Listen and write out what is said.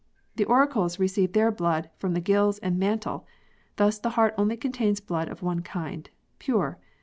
The auricles receive their blood from the gills and mantle ; thus the heart only contains blood of one kind pure.